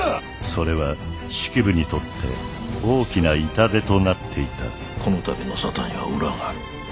それは式部にとって大きな痛手となっていたこの度の沙汰には裏がある。